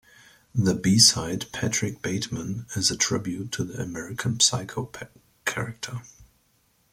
The B-side, "Patrick Bateman", is a "tribute" to the "American Psycho" character.